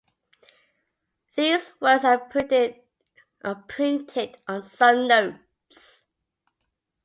These words are printed on some notes.